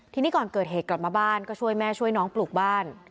ทีนี้ก่อนเกิดเหตุกลับมาบ้านก็ช่วยแม่ช่วยน้องปลูกบ้าน